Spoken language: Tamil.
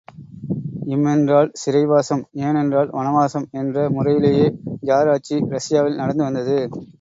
இம்மென்றால் சிறைவாசம் ஏனென்றால் வனவாசம் என்ற முறையிலே ஜார் ஆட்சி இரஷியாவில் நடந்து வந்தது.